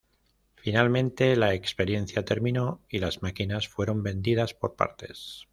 Finalmente la experiencia terminó y las máquinas fueron vendidas por partes.